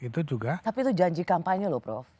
tapi itu janji kampanye loh prof